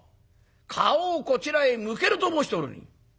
顔をこちらへ向けると申しておるに」。